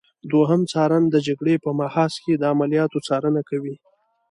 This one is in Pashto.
دوهم څارن د جګړې په محاذ کې د عملیاتو څارنه کوي.